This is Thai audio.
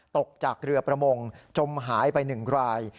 ตกจากเรือประมงจมหายไป๑ราย